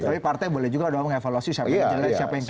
tapi partai juga boleh dong evaluasi siapa yang jelas siapa yang kinerja